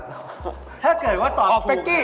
ถ้าเกิดว่าตอบออกเป๊กกี้